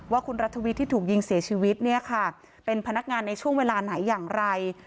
ว่าคุณรัฐวิทย์ที่ถูกยิงเสียชีวิตเนี่ยค่ะเป็นพนักงานในช่วงเวลาไหนอย่างไร